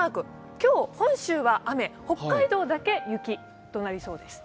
今日は本州は雨、北海道だけ雪となりそうです。